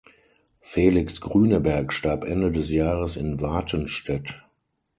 Felix Grüneberg starb Ende des Jahres in Watenstedt.